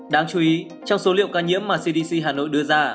đáng chú ý trong số liệu ca nhiễm mà cdc hà nội đưa ra